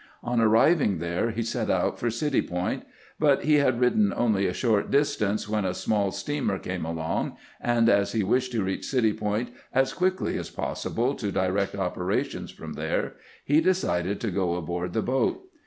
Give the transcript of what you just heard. On arriving there, he set out for City Point ; but he had ridden only a short distance when a small steamer came along, and as he wished to reach City Point as quickly as possible to direct operations from there, he decided to go aboard the boat.